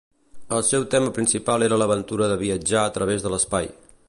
El seu tema principal era l'aventura de viatjar a través de l'espai.